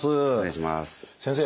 先生。